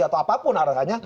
atau apapun arahannya